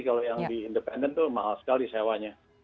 kalau yang di independen itu mahal sekali sewanya